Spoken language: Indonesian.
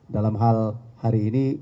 dalam hal hari ini